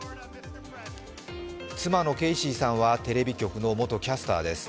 妻のケイシーさんはテレビ局の元キャスターです。